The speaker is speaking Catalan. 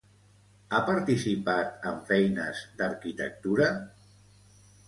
Ha participat en feines d'arquitectura?